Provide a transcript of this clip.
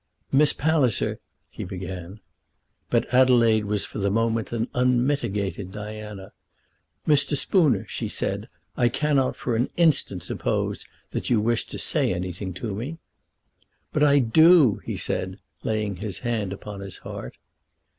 "Miss Palliser " he began. But Adelaide was for the moment an unmitigated Diana. "Mr. Spooner," she said, "I cannot for an instant suppose that you wish to say anything to me." "But I do," said he, laying his hand upon his heart.